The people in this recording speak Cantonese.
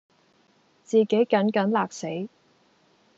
自己緊緊勒死；